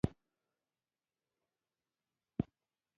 آیا متقاعدین خپل حقوق اخلي؟